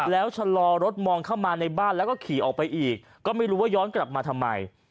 แล้วชะลอรถมองเข้ามาในบ้านแล้วก็ขี่ออกไปอีกก็ไม่รู้ว่าย้อนกลับมาทำไม